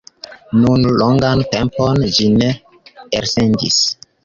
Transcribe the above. Nun longan tempon ĝi ne elsendis.